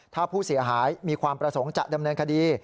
ถ้าผู้เสียหายมีความประสงค์จะดำเนินคดี